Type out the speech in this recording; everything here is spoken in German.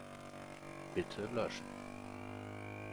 Bitte löschen.